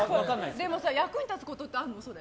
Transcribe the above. でも役に立つことってあるのこれ？